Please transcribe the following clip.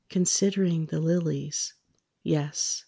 Considering the lilies. Yes.